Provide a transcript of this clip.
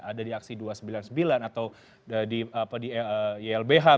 ada di aksi dua ratus sembilan puluh sembilan atau di ylbh